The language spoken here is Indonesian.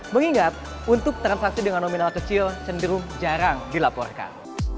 mengingat untuk transaksi dengan nominal kecil cenderung jarang dilaporkan